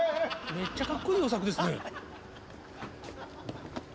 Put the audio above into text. めっちゃかっこいい「与作」ですね。